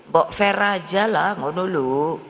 buk fair aja lah nggak perlu